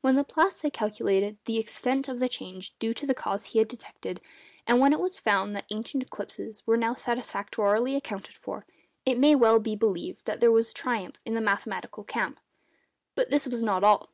When Laplace had calculated the extent of the change due to the cause he had detected, and when it was found that ancient eclipses were now satisfactorily accounted for, it may well be believed that there was triumph in the mathematical camp. But this was not all.